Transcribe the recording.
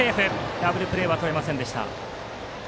ダブルプレーはとれませんでした。